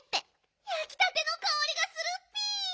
やきたてのかおりがするッピ！